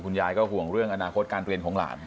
ยายก็ห่วงเรื่องอนาคตการเรียนของหลาน